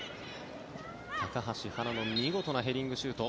高橋はなの見事なヘディングシュート。